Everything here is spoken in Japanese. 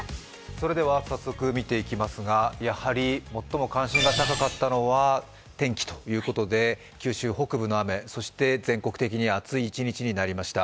それでは早速見ていきますが、やはり最も関心が高かったは天気ということで九州北部の雨、全国的に暑い一日となりました。